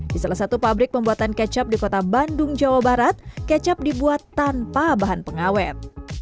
di salah satu pabrik pembuatan kecap di kota bandung jawa barat kecap dibuat tanpa bahan pengawet